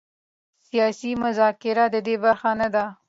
سیاسي مذاکره د دې برخه نه ده.